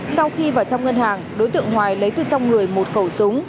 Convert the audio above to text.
sau khi vào trong ngân hàng đối tượng hoài lấy từ trong người một khẩu súng